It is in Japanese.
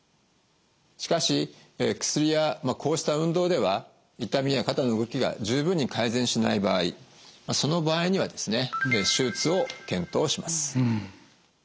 しかし薬やこうした運動では痛みや肩の動きが十分に改善しない場合その場合にはですね手術を検討します。